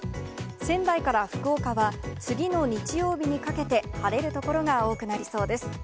仙台から福岡は、次の日曜日にかけて晴れる所が多くなりそうです。